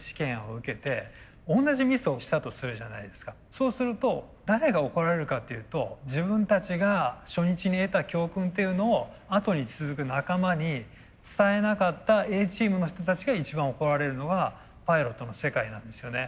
そうすると誰が怒られるかっていうと自分たちが初日に得た教訓っていうのをあとに続く仲間に伝えなかったＡチームの人たちが一番怒られるのがパイロットの世界なんですよね。